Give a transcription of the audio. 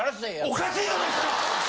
おかしいじゃないですか！